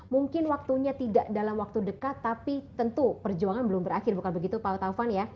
mungkin waktunya tidak dalam waktu dekat tapi tentu perjuangan belum berakhir bukan begitu pak taufan ya